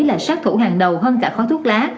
là sát thủ hàng đầu hơn cả khói thuốc lá